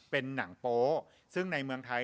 เป็นหนังโป๊ซึ่งในเมืองไทย